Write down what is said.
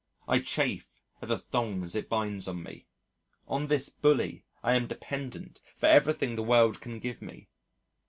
I chafe at the thongs it binds on me. On this bully I am dependent for everything the world can give me.